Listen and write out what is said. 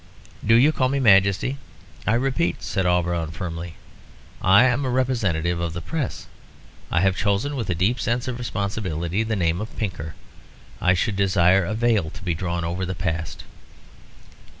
"Do you call me Majesty? I repeat," said Auberon, firmly, "I am a representative of the press. I have chosen, with a deep sense of responsibility, the name of Pinker. I should desire a veil to be drawn over the past."